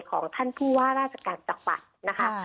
ของท่านผู้ว่าราชการจังหวัดนะคะ